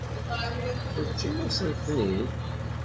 Teǧǧiḍ-asent-ten-id.